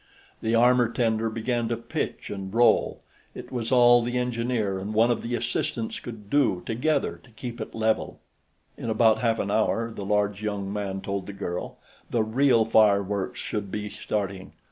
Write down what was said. The armor tender began to pitch and roll; it was all the engineer and one of the assistants could do, together, to keep it level. "In about half an hour," the large young man told the girl, "the real fireworks should be starting.